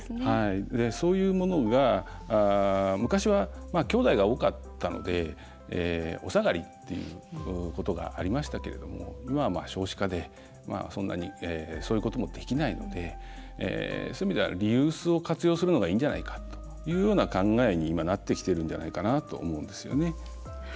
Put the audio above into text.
そういうものが昔はきょうだいが多かったのでお下がりっていうことがありましたけども今は少子化で、そんなにそういうこともできないのでそういう意味ではリユースを活用するのがいいんじゃないかというような考えに今、なってきているんじゃないかと思うんですね。